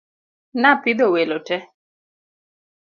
Napidho welo te.